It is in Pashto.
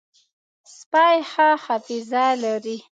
سپي ښه حافظه لري.